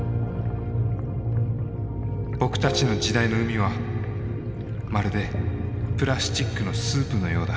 僕たちの時代の海はまるでプラスチックのスープのようだ。